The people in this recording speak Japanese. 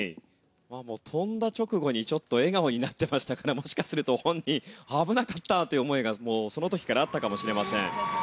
跳んだ直後にちょっと笑顔になってましたからもしかすると本人危なかったという思いがその時からあったかもしれません。